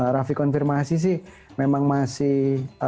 rafi konfirmasi sih memang masih